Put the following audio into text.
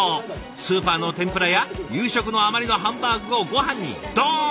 スーパーの天ぷらや夕食の余りのハンバーグをごはんにドーン。